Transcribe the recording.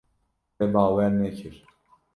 Te bawer nekir.